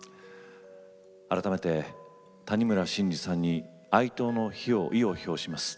改めて谷村新司さんに哀悼の意を表します。